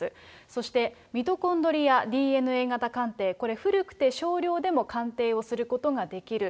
そして、ミトコンドリアＤＮＡ型鑑定、これ、古くて少量でも鑑定をすることができる。